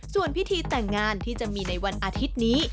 ส่วนพิธีแต่งงานที่จะมีในวันอาทิตย์นี้